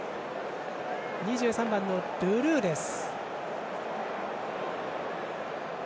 ２３番のルルーです。